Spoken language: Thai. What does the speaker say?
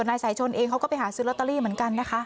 นายสายชนเองเขาก็ไปหาซื้อลอตเตอรี่เหมือนกันนะคะ